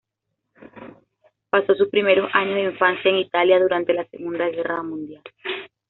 Pasó sus primeros años de infancia en Italia, durante la Segunda Guerra Mundial.